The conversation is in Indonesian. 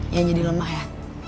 ya jadi lemah ya